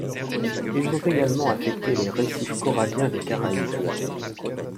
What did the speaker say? Ils ont également affectés les récifs coralliens des Caraïbes.